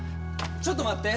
ちょっと待って！